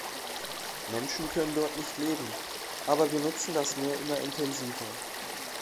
Menschen können dort nicht leben, aber wir nutzen das Meer immer intensiver.